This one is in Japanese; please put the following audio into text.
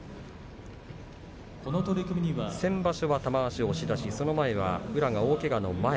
先場所は玉鷲、押し出しその前は宇良が大けがの前